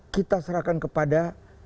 kita serahkan kepada